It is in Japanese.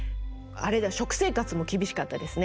食生活も厳しかったですね。